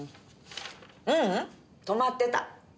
ううん止まってた。